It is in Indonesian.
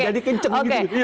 jadi kencang gitu